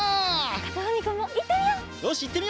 かずふみくんもいってみよう。